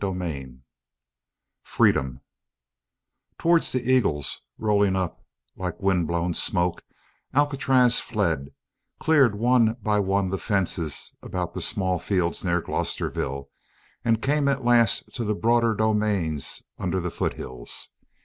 CHAPTER VI FREEDOM Towards the Eagles, rolling up like wind blown smoke, Alcatraz fled, cleared one by one the fences about the small fields near Glosterville, and so came at last to the broader domains under the foothills.